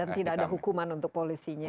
dan tidak ada hukuman untuk polisinya